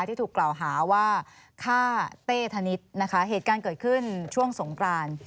ที่ถูกกล่าวหาว่าฆ่าเต้ธนิษฐ์นะคะเหตุการณ์เกิดขึ้นช่วงสงกราน